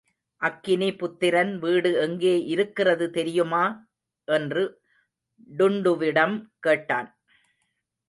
அக்கினி புத்திரன் வீடு எங்கே இருக்கிறது தெரியுமா? என்று டுன்டுவிடம் கேட்டான்.